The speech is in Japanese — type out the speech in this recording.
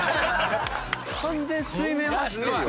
・完全水面走ってるよ。